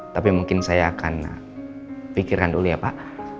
tapi mungkin saya akan pikirkan dulu ya pak